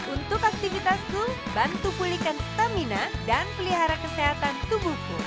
untuk aktivitasku bantu pulihkan stamina dan pelihara kesehatan tubuhku